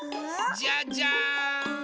じゃじゃん！